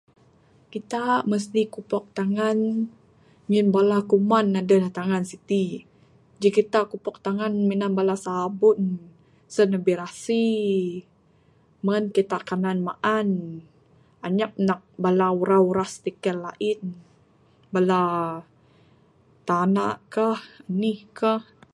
Kita mesti kupok tangan ngin bala kuman adeh da tangan siti. Ji kita kupok tangan minan bala sabun sen ne birasi. Mehen kita kanan maan, anyap nak bala uras-uras tikel ain, bala tana kah, anih kah.